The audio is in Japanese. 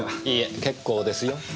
いいえ結構ですよ。